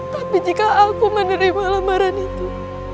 tapi jika aku menerima lamaran itu